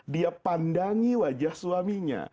dia pandangi wajah suaminya